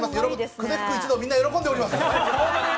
久世福一同、皆、喜んでおります！